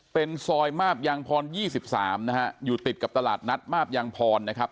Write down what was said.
เป็นซอยมาบยางพร๒๓นะฮะอยู่ติดกับตลาดนัดมาบยางพรนะครับ